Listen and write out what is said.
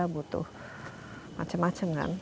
butuh macem macem kan